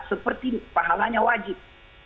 seperti pahalanya wajib